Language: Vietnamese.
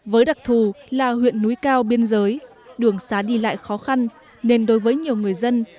với đặc thù là huyện núi cao biên giới đường xá đi lại khó khăn nên đối với nhiều người dân